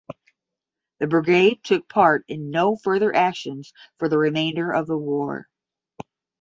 The brigade took part in no further actions for the remainder of the war.